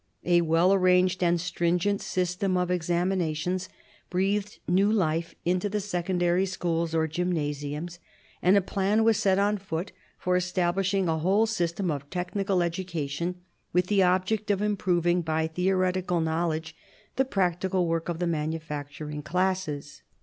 A well arranged and stringent system of ex aminations breathed new life into the secondary schools or gymnasiums ; and a plan was set on foot for establish ing a whole system of technical education, with the object of improving, by theoretical knowledge, the practical work of the manufacturing classes.